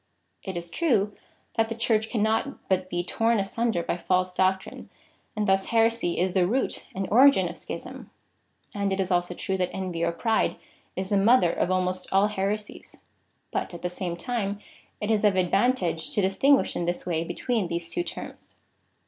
It is true, that the Church can not but be torn asunder by false doctrine, and thus heresy is the root and origin of schism, and it is also true that envy or pride is the mother of almost all heresies, but at the same time it is of advantage to distinguish in this way be tween these two terms.